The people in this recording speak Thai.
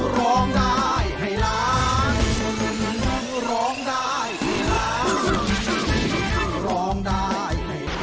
ร้องได้